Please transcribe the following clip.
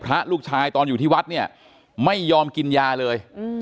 พระลูกชายตอนอยู่ที่วัดเนี่ยไม่ยอมกินยาเลย